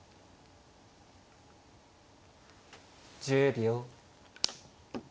１０秒。